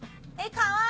かわいい！